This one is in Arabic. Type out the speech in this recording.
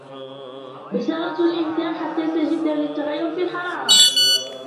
بشرة الإنسان حساسةٌ جدا للتغير في الحرارة.